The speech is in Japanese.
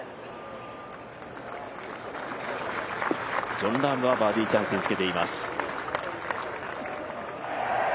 ジョン・ラームはバーディーチャンスにつけています。